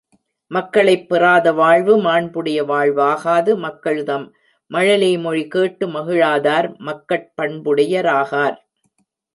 மக்களைப் பெறாத வாழ்வு மாண்புடைய வாழ்வாகாது மக்கள்தம் மழலை மொழி கேட்டு மகிழாதார் மக்கட் பண்புடையராகார்.